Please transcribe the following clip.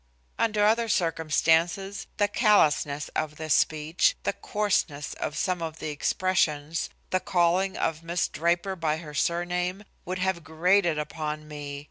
Under other circumstances, the callousness of this speech, the coarseness of some of the expressions, the calling of Miss Draper by her surname, would have grated upon me.